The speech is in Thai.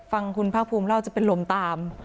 ฟังคุณภาคภูมิเล่าจะเป็นลมตาม